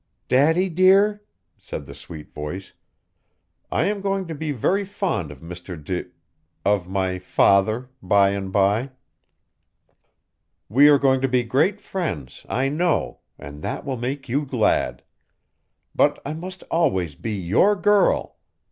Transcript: "Daddy dear," said the sweet voice, "I am going to be very fond of Mr. De of my father, by and by. We are going to be great friends, I know, and that will make you glad. But I must always be your girl!